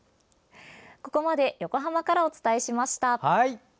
ここまで横浜からお伝えしました。